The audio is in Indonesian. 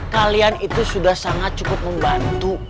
kalian itu sudah sangat cukup membantu